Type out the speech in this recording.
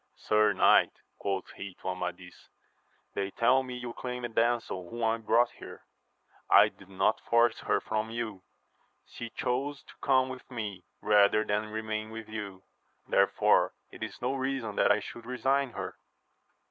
Sir "knight, quoth he to Amadis, they tell me you claim a damsel whom I brought here : I did not force her from j'^ou ; she chose to come with me, rather than remain with you, therefore it is no reason that I should resign her.